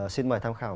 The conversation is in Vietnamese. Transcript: xin mời tham khảo